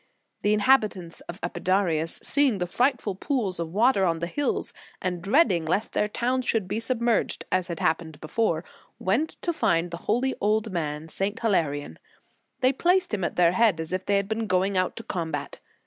The inhabitants of Epidaurus, seeing the frightful pools of water on the hills, and dreading lest their town should be submerged, as had happened before, went to find the holy old man, St. Hilarion. They placed him at their head, as if they had been going out to combat.